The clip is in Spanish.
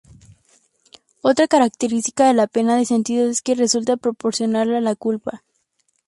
Otra característica de la pena de sentido es que resulta proporcional a la culpa.